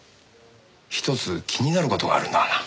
ひとつ気になる事があるんだがな。